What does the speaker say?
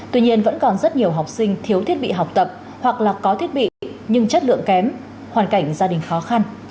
tuy nhiên vẫn còn rất nhiều học sinh thiếu thiết bị học tập hoặc là có thiết bị nhưng chất lượng kém hoàn cảnh gia đình khó khăn